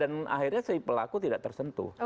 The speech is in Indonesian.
dan akhirnya si pelaku tidak tersentuh